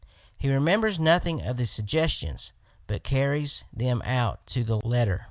He remembers nothing of the suggestions but carries tliem out to the letter.